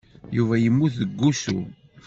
Yuba yemmut deg wusu.